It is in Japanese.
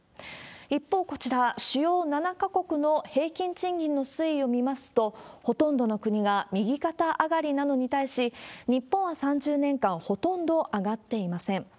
一方、こちら、主要７か国の平均賃金の推移を見ますと、ほとんどの国が右肩上がりなのに対し、日本は３０年間ほとんど上がっていません。